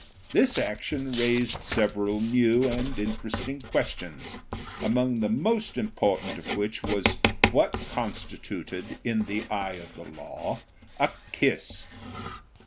This action raised several new and interesting questions, among the most important of which was what constituted, in the eye of the law, a kiss.